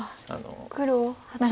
黒８の五。